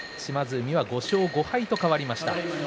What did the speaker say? ５勝５敗と変わりました。